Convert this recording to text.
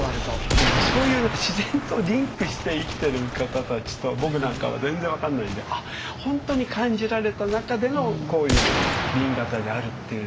もうねそういう自然とリンクして生きてる方たちと僕なんかは全然分かんないんで本当に感じられた中でのこういう紅型であるっていう。